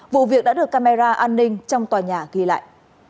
vụ việc đã được camera an ninh trong tòa nhà ghi lại